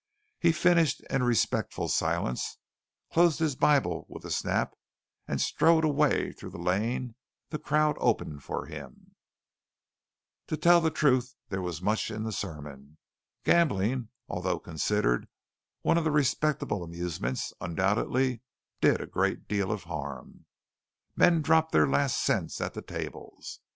He finished in a respectful silence, closed his Bible with a snap, and strode away through the lane the crowd opened for him. Truth to tell, there was much in the sermon. Gambling, although considered one of the respectable amusements, undoubtedly did a great deal of harm. Men dropped their last cents at the tables.